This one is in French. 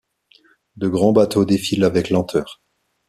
De grands bateaux défilent avec lenteur.